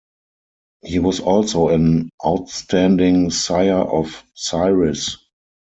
He was also an outstanding sire of sires.